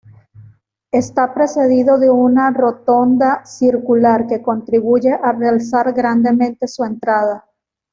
Está precedido de una rotonda circular que contribuye a realzar grandemente su entrada.